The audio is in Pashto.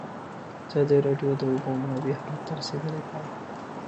ازادي راډیو د د اوبو منابع حالت ته رسېدلي پام کړی.